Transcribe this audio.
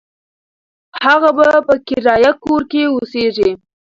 هغه به په کرایه کور کې اوسیږي.